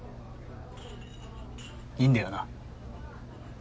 いいんだよな？